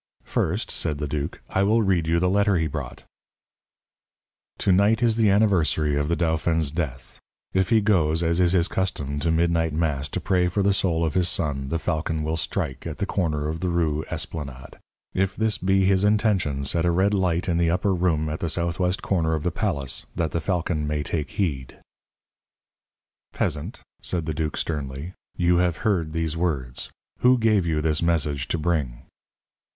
"First," said the duke, "I will read you the letter he brought: "'To night is the anniversary of the dauphin's death. If he goes, as is his custom, to midnight mass to pray for the soul of his son, the falcon will strike, at the corner of the Rue Esplanade. If this be his intention, set a red light in the upper room at the southwest corner of the palace, that the falcon may take heed.' "Peasant," said the duke, sternly, "you have heard these words. Who gave you this message to bring?"